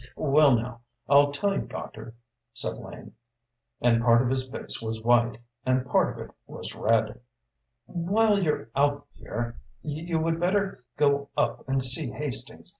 "Well now, I'll tell you, doctor," said Lane, and part of his face was white, and part of it was red, "while you're out here, you would better go up and see Hastings.